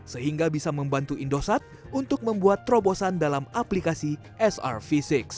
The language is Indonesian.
sehingga bisa membantu indosat untuk membuat terobosan dalam aplikasi srv enam